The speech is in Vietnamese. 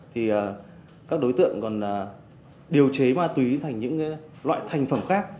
thì các đối tượng còn điều chế ma túy thành những loại thành phẩm khác